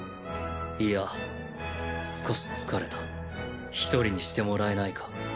いや少し疲れたひとりにしてもらえないか